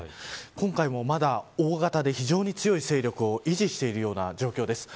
今回も、まだ大型で非常に強い勢力を維持しているような状況です。